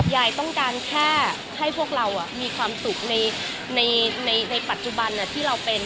ยายต้องการแค่ให้พวกเรามีความสุขในปัจจุบันที่เราเป็น